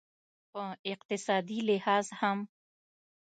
په اقتصادي لحاظ هم